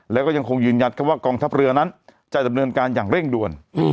แล้วก็ยังคงยืนยันว่ากองทัพเรือนั้นจะดำเนินการอย่างเร่งด่วน